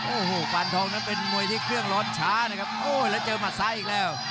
โอ้โหปานทองนั้นเป็นมวยที่เครื่องร้อนช้านะครับโอ้ยแล้วเจอหมัดซ้ายอีกแล้ว